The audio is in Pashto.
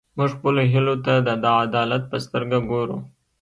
موږ خپلو هیلو ته د عدالت په سترګه ګورو.